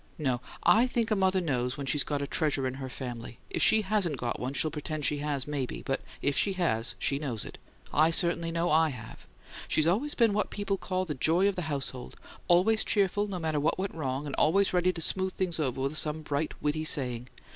"No; I think a mother knows when she's got a treasure in her family. If she HASN'T got one, she'll pretend she has, maybe; but if she has, she knows it. I certainly know I have. She's always been what people call 'the joy of the household' always cheerful, no matter what went wrong, and always ready to smooth things over with some bright, witty saying.